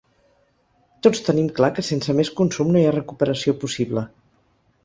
Tots tenim clar que sense més consum no hi ha recuperació possible.